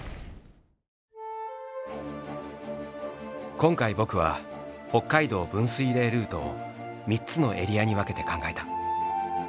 今回「僕」は北海道分水嶺ルートを３つのエリアに分けて考えた。